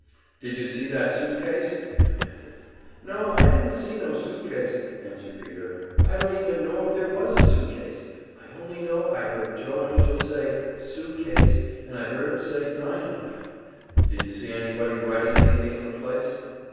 "Did you see that suit case?" he demanded. "No, I didn't see no suit case!" answered Peter. "I don't even know if there was a suit case. I only know I heard Joe Angell say `suit case,' and I heard him say `dynamite.'" "Did you see anybody writing anything in the place?"